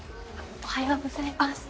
おはようございます。